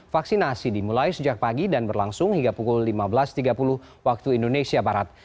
vaksinasi dimulai sejak pagi dan berlangsung hingga pukul lima belas tiga puluh waktu indonesia barat